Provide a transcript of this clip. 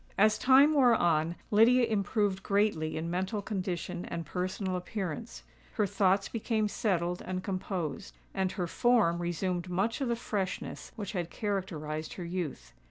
As time wore on, Lydia improved greatly in mental condition and personal appearance: her thoughts became settled and composed, and her form resumed much of the freshness which had characterised her youth.